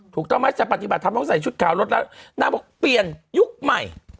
ถูกต้องไหมจะปฏิบัติธรรมต้องใส่ชุดขาวรถแล้วนางบอกเปลี่ยนยุคใหม่